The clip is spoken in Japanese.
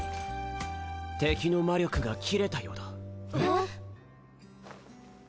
敵の魔力が切れたようだえ？